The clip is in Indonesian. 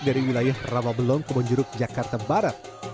dari wilayah ramabelong ke bonjuruk jakarta barat